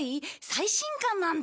最新刊なんだ。